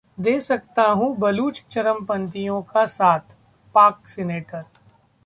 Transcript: दे सकता हूं बलूच चरमपंथियों का साथ: पाक सीनेटर